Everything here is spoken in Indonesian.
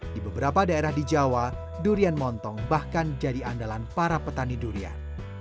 di beberapa daerah di jawa durian montong bahkan jadi andalan para petani durian